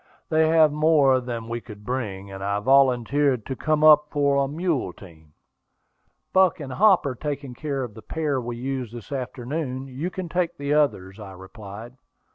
"They have more than we could bring, and I volunteered to come up for a mule team." "Buck and Hop are taking care of the pair we used this afternoon; you can take the others," I replied.